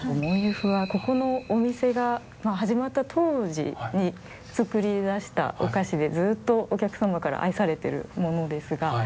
モンユフはここのお店が始まった当時に作り出したお菓子でずっとお客様から愛されてるものですが。